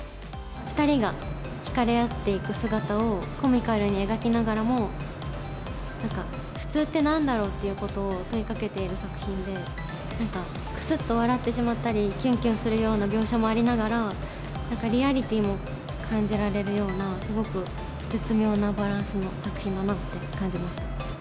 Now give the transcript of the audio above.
２人が引かれ合っていく姿を、コミカルに描きながらも、なんか、普通ってなんだろうってことを問いかけている作品で、なんか、くすっと笑ってしまったり、きゅんきゅんするような描写もありながら、リアリティーも感じられるような、すごく絶妙なバランスの作品だなって感じました。